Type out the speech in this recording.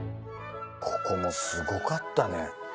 ここもすごかったね。